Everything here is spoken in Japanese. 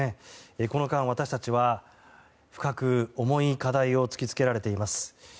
この間、私たちは深く重い課題を突き付けられています。